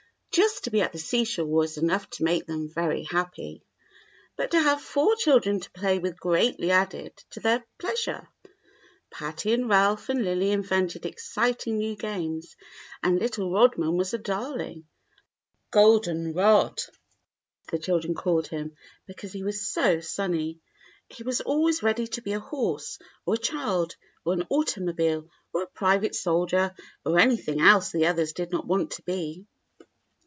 Just to be at the seashore was enough to make them very happy, but to have four children to play with greatly added to their pleasure. Patty and Ralph and Lily invented exciting new games, and little Rodman was a darling; "golden rod," the children called him, because he was so sunny. He was always ready to be a horse, or a child, or an automobile, or a private soldier, or any thing else the others did not want to be.